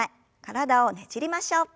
体をねじりましょう。